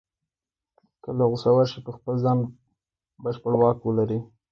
کله غوسه ورشي په خپل ځان بشپړ واک ولري.